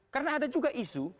karena ada juga isu